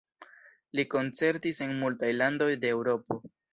Li koncertis en multaj landoj de Eŭropo.